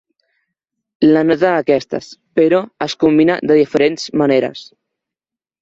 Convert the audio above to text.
La nota d'aquestes, però, es combina de diferents maneres.